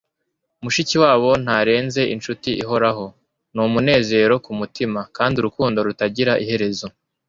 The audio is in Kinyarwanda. mushikiwabo ntarenze inshuti ihoraho. ni umunezero ku mutima, kandi urukundo rutagira iherezo